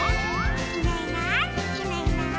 「いないいないいないいない」